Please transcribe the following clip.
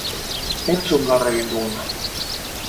Entzun gaur egin diguna!